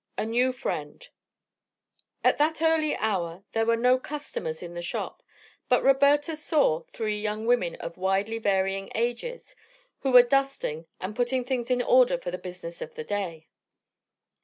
A NEW FRIEND At that early hour there were no customers in the shop, but Roberta saw three young women of widely varying ages who were dusting and putting things in order for the business of the day.